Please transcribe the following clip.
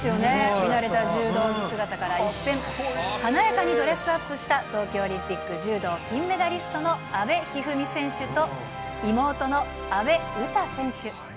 見慣れた柔道着姿から一変、華やかにドレスアップした東京オリンピック柔道金メダリストの阿部一二三選手と、妹の阿部詩選手。